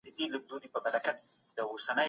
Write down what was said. ولسي جرګه به د روغتيايي بيمې سيسټم رامنځته کړي.